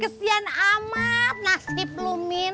kesian amat nasib lu min